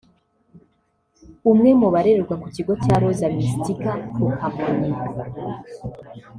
umwe mu barererwa ku Kigo cya Rosa Mystica ku Kamonyi